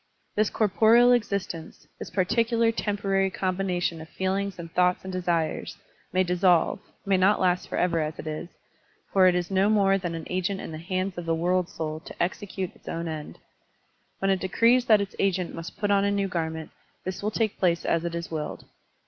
This corporeal existence, this particular temporary combination of feelings and thoughts and desires, may dissolve, may not last forever as it is, for it is no more than an agent in the hands of the world soul to execute its own end. When it decrees that its agent must put on a new garment, this will take place as it is willed.